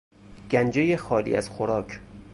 گنجهی خالی از خوراک